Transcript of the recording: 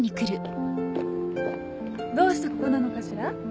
どうしてここなのかしら？